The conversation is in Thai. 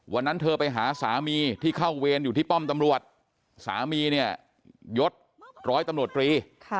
วันนั้นเธอไปหาสามีที่เข้าเวรอยู่ที่ป้อมตำรวจสามีเนี่ยยดร้อยตำรวจตรี